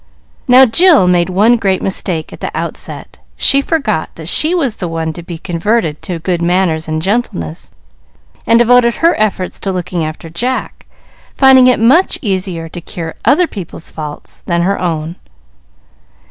Now Jill made one great mistake at the outset she forgot that she was the one to be converted to good manners and gentleness, and devoted her efforts to looking after Jack, finding it much easier to cure other people's faults than her own.